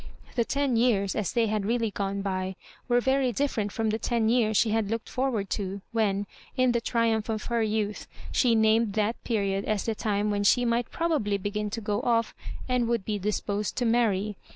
The ten years, as they had really gone by, were very different from the ten years she had looked forward to, when, in the triumph of her youth, she named that period as the time when she might probably begin to go oS, and would be disposed to marry.